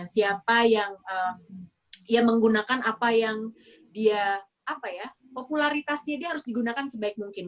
siapa yang ya menggunakan apa yang dia apa ya popularitasnya dia harus digunakan sebaik mungkin